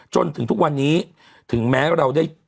จนถึงทุกวันนี้ถึงแม้เราได้